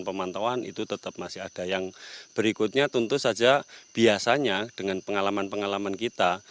pemantauan itu tetap masih ada yang berikutnya tentu saja biasanya dengan pengalaman pengalaman kita